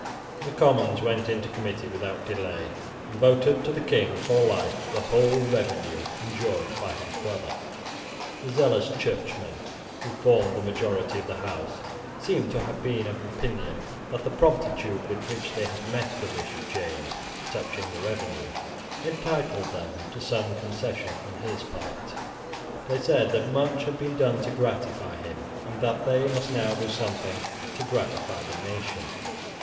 The Commons went into committee without delay, and voted to the King, for life, the whole revenue enjoyed by his brother. The zealous churchmen who formed the majority of the House seem to have been of opinion that the promptitude with which they had met the wish of James, touching the revenue, entitled them to expect some concession on his part. They said that much had been done to gratify him, and that they must now do something to gratify the nation.